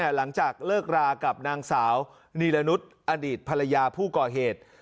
หลังจากเลิกรากับนางสาวนีรณุษย์อดีตภรรยาผู้ก่อเหตุ